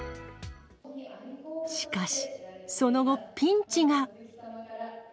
しかし、その後ピンチが。